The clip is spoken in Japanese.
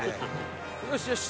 よしよし。